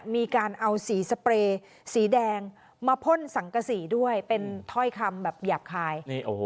มีการเอาสีสเปรย์สีแดงมาพ่นสังกษีด้วยเป็นถ้อยคำแบบหยาบคาย